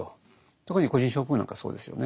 特に個人症候群なんかそうですよね。